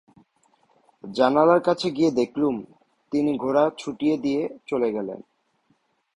জানলার কাছে গিয়ে দেখলুম, তিনি ঘোড়া ছুটিয়ে দিয়ে চলে গেলেন।